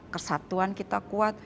kesatuan kita kuat